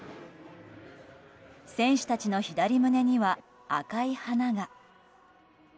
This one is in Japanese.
選手たちの左胸には、赤い花が。